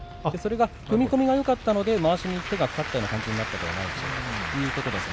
踏み込みがよかったのでまわしに手がかかったような感じになったということです。